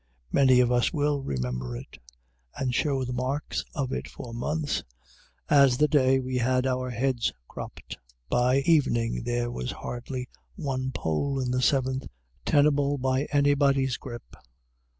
Many of us will remember it, and show the marks of it for months, as the day we had our heads cropped. By evening there was hardly one poll in the Seventh tenable by anybody's grip.